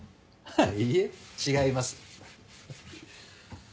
いいえ違います。